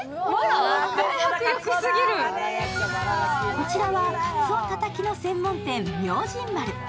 こちらは鰹たたきの専門店明神丸。